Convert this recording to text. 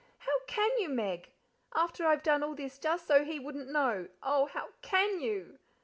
How can you, Meg! After I've done all this just so he wouldn't know! Oh, how CAN you?"